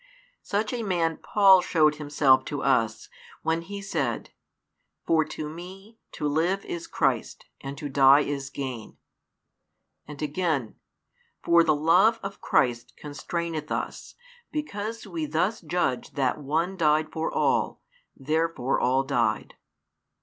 Such a man Paul showed himself to us, when he said, For to me, to live is Christ, and to die is gain. And again: For the love of Christ constraineth us: because we thus judge that one died for all, therefore all died.